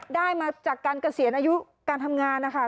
ได้มาจากการเกษียณอายุการทำงานนะคะ